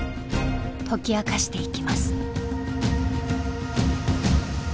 解き明かしていきます。